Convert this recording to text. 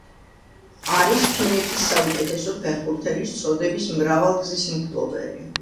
არის ფინეთის საუკეთესო ფეხბურთელის წოდების მრავალგზის მფლობელი.